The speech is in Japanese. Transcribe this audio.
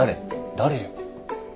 誰よ？